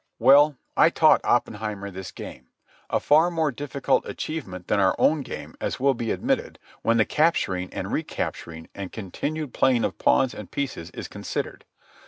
Well, I taught Oppenheimer this game—a far more difficult achievement than our own game, as will be admitted, when the capturing and recapturing and continued playing of pawns and pieces is considered.